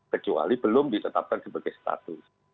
kecuali belum ditetapkan sebagai status